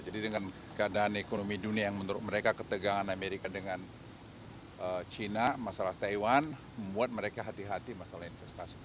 jadi dengan keadaan ekonomi dunia yang menurut mereka ketegangan amerika dengan china masalah taiwan membuat mereka hati hati masalah investasi